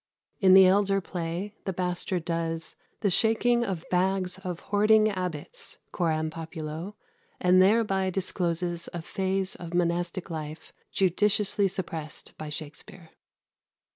In the elder play, the Bastard does "the shaking of bags of hoarding abbots," coram populo, and thereby discloses a phase of monastic life judiciously suppressed by Shakspere.